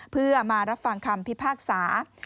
เพื่อมารับฟังคำพิพากษา